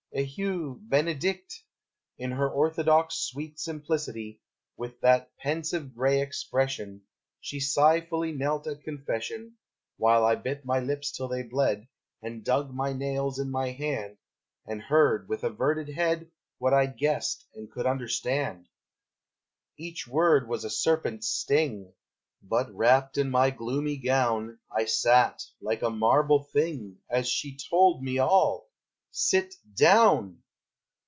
Eheu! benedicite! In her orthodox sweet simplicity, With that pensive gray expression, She sighfully knelt at confession, While I bit my lips till they bled, And dug my nails in my hand, And heard with averted head What I'd guessed and could understand. Each word was a serpent's sting, But, wrapt in my gloomy gown, I sat, like a marble thing, As she told me all! SIT DOWN!